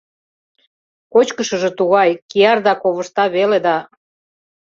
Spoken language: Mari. — Кочкышыжо тугай, кияр да ковышта веле да...